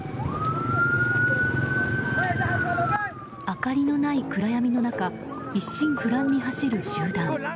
明かりのない暗闇の中一心不乱に走る集団。